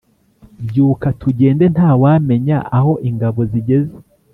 byuka tugende ntawamenya aho ingabo zigeze